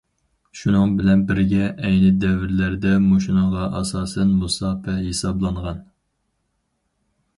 شۇنىڭ بىلەن بىرگە ئەينى دەۋرلەردە مۇشۇنىڭغا ئاساسەن مۇساپە ھېسابلانغان.